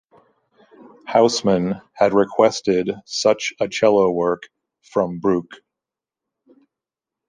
Hausmann had requested such a cello work from Bruch.